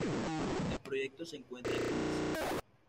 El proyecto se encuentra en comisión.